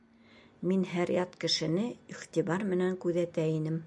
Мин һәр ят кешене иғтибар менән күҙәтә инем.